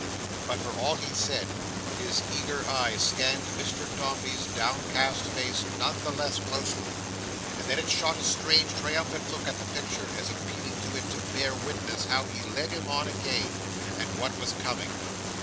But for all he said, his eager eye scanned Mr Dombey's downcast face none the less closely; and then it shot a strange triumphant look at the picture, as appealing to it to bear witness how he led him on again, and what was coming.